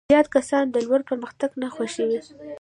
زیات کسان د لور پرمختګ نه خوښوي.